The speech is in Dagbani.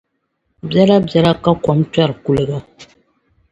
Biɛlabiɛla ka kom kpɛri kuliga.